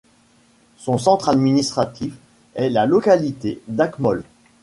Son centre administratif est la localité d'Akmol.